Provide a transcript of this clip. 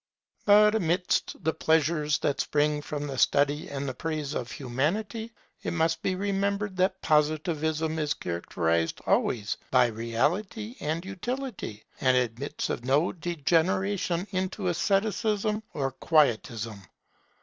But amidst the pleasures that spring from the study and the praise of Humanity, it must be remembered that Positivism is characterized always by reality and utility, and admits of no degeneration into asceticism or quietism.